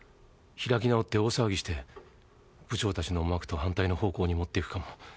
開き直って大騒ぎして部長たちの思惑と反対の方向に持っていくかも。